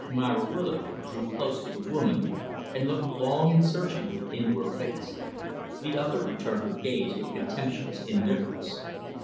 Myra Willard drew close to the woman and looked long and searchingly into her face. The other returned her gaze with contemptuous indifference.